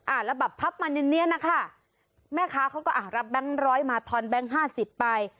อ่ะแล้วแบบพับมาอย่างเงี้ยนะคะแม่ค้าเขาก็อ่ะรับแก๊งร้อยมาทอนแบงค์ห้าสิบไป